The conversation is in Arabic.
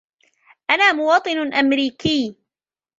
أنا مواطن أمريكي.